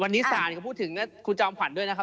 วันนี้ศาลก็พูดถึงคุณจอมขวัญด้วยนะครับ